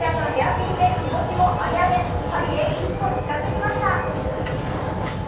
キティちゃんのペアピンで気持ちもアゲアゲ、パリへ一歩近づきました。